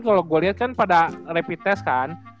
kalo gua liat kan pada rapid test kan